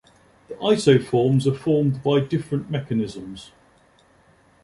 The isoforms are formed by different mechanisms.